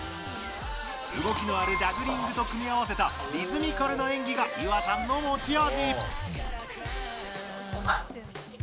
動きのある「ジャグリング」と組み合わせたリズミカルな演技がＹｕａさんの持ち味。